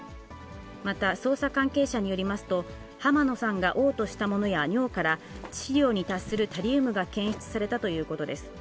また、捜査関係者によりますと、浜野さんがおう吐したものや尿から、致死量に達するタリウムが検出されたということです。